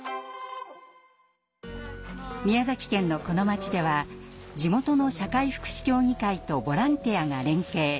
宮崎県のこの町では地元の社会福祉協議会とボランティアが連携。